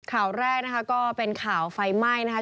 ข่าวแรกนะคะก็เป็นข่าวไฟไหม้นะคะ